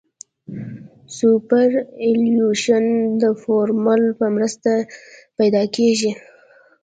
سوپرایلیویشن د فورمول په مرسته پیدا کیږي